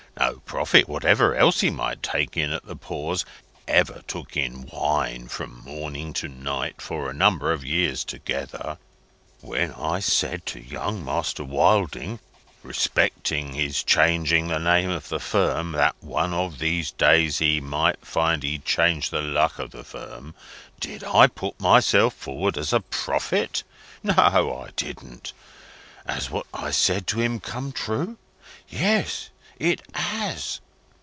No prophet, whatever else he might take in at the pores, ever took in wine from morning to night, for a number of years together. When I said to young Master Wilding, respecting his changing the name of the firm, that one of these days he might find he'd changed the luck of the firm did I put myself forward as a prophet? No, I didn't. Has what I said to him come true? Yes, it has.